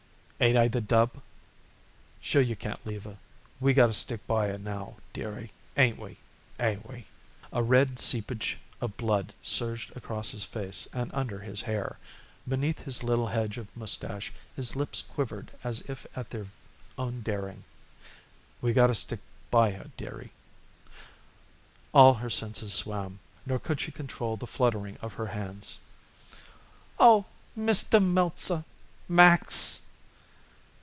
"Ain't I the dub? Sure you can't leave her. We gotta stick by her now, dearie. 'Ain't we? 'Ain't we?" A red seepage of blood surged across his face and under his hair. Beneath his little hedge of mustache his lips quivered as if at their own daring. "We gotta stick by her, dearie." All her senses swam, nor could she control the fluttering of her hands. "Oh Mr. Meltzer Max!"